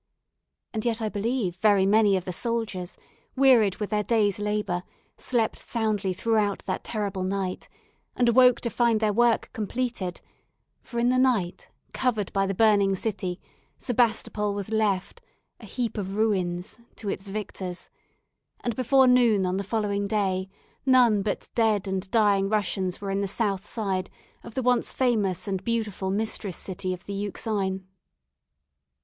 And yet I believe very many of the soldiers, wearied with their day's labour, slept soundly throughout that terrible night, and awoke to find their work completed: for in the night, covered by the burning city, Sebastopol was left, a heap of ruins, to its victors; and before noon on the following day, none but dead and dying Russians were in the south side of the once famous and beautiful mistress city of the Euxine.